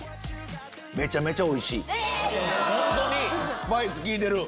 スパイス利いてる。